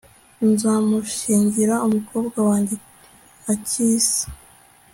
nzamushyingira+ umukobwa wanjye akisa